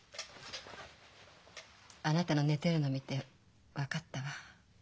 あなたの寝てるのを見て分かったわ。